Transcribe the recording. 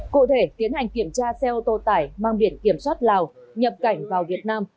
cụ thể tiến hành kiểm tra xe ô tô tải mang biển kiểm soát lào nhập cảnh vào việt nam